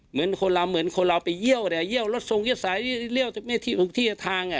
เหมือนคนเราไปเยี่ยวเนี่ยเยี่ยวรถทรงเยี่ยวสายเยี่ยวทุกที่ทาง